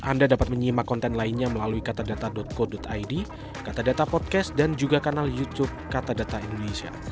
anda dapat menyimak konten lainnya melalui katadata co id katadata podcast dan juga kanal youtube katadata indonesia